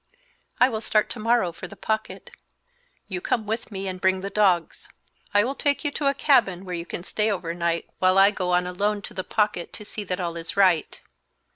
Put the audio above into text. "I will start to morrow for the Pocket. You come with me and bring the dogs. I will take you to a cabin where you can stay over night while I go on alone to the Pocket to see that all is right.